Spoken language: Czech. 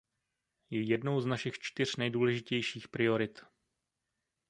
Je jednou z našich čtyř nejdůležitějších priorit.